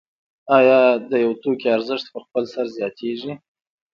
آیا د یو توکي ارزښت په خپل سر زیاتېږي